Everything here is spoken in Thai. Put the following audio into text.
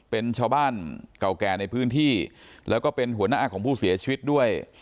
เป็นชาวบ้านเก่าแก่ในพื้นที่แล้วก็เป็นหัวหน้าของผู้เสียชีวิตด้วย